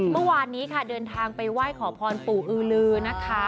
เมื่อวานนี้ค่ะเดินทางไปไหว้ขอพรปู่อือลือนะคะ